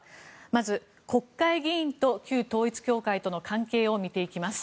まず国会議員と旧統一教会との関係を見ていきます。